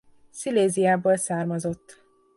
Sziléziából származott.